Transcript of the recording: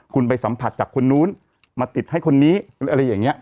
คุณไปสัมผัสจากคนนู้นมาติดให้คนนี้อะไรอย่างนี้